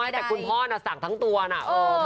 ไมมาแต่คุณพ่อสั่งทั้งตัวน่ะ